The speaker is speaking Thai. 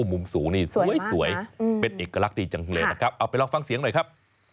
มุมสูงนี่สวยเป็นเอกลักษณ์ดีจังเลยนะครับเอาไปลองฟังเสียงหน่อยครับ